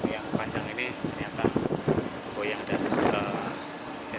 yang panjang ini ternyata boyang dan